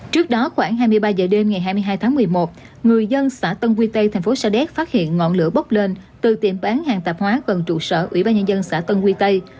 trước đó khoảng hai mươi ba h đêm ngày hai mươi hai tháng một mươi một người dân xã tân quy tây thành phố sa đéc phát hiện ngọn lửa bốc lên từ tiệm bán hàng tạp hóa gần trụ sở ủy ban nhân dân xã tân quy tây